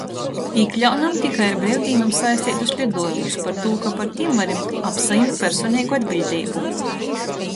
Īkļaunam tikai ar breivdīnom saisteitus liduojumus, partū ka par tim varim apsajimt personeigu atbiļdeibu.